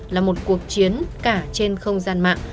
là một cuộc chiến cả trên không gian mạng